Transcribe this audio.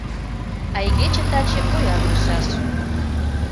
А игече таче ояр лийшаш.